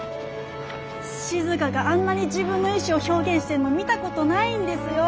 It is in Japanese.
しずかがあんなに自分の意志を表現してるの見たことないんですよ。